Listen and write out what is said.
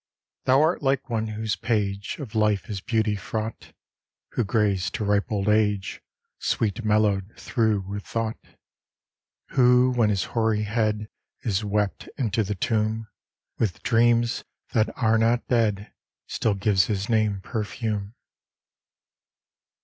Thou art like one whose page Of life is beauty fraught, Who grays to ripe old age, Sweet mellowed through with thought: Who, when his hoary head Is wept into the tomb, With dreams, that are not dead, Still gives his name perfume.